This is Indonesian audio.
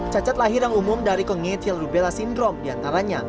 cacat lahir yang umum dari kongetial rubella sindrom diantaranya